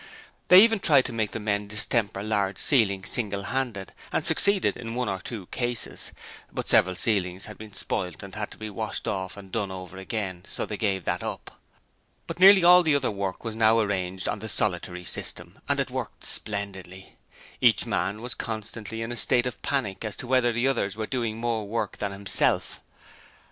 They even tried to make the men distemper large ceilings single handed, and succeeded in one or two cases, but after several ceilings had been spoilt and had to be washed off and done over again, they gave that up: but nearly all the other work was now arranged on the 'solitary system', and it worked splendidly: each man was constantly in a state of panic as to whether the others were doing more work than himself.